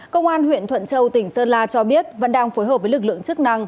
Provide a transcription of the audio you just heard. công an huyện thuận châu tỉnh sơn la cho biết vẫn đang phối hợp với lực lượng chức năng